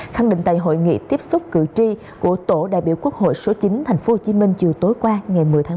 khẳng định tại hội nghị tiếp xúc cử tri của tổ đại biểu quốc hội số chín tp hcm chiều tối qua ngày một mươi tháng một mươi một